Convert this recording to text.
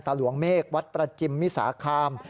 หลวงเมฆวัดประจิมมิสาคาม